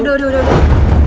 aduh udah udah udah